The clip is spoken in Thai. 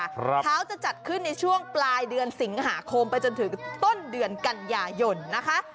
เขาจะจัดขึ้นในช่วงปลายเดือนสิงหาคมไปจนถึงต้นเดือนกันยายนนะคะ